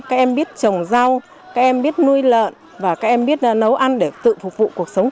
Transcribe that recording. các em biết trồng rau các em biết nuôi lợn và các em biết nấu ăn để tự phục vụ cuộc sống